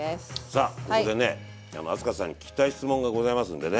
さあここでね明日香さんに聞きたい質問がございますんでね。